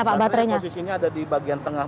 pak baterainya posisinya ada di bagian tengah